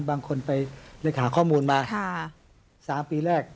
บางคนไปเลขหาข้อมูลมา๓ปีแรก